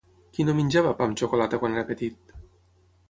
Qui no menjava pa amb xocolata quan era petit?